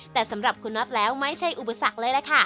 แต่สำหรับคุณน็อตแล้วไม่ใช่อุปสรรคเลยล่ะค่ะ